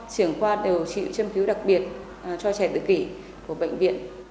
trưởng khoa điều trị châm cứu đặc biệt cho trẻ tự kỷ của bệnh viện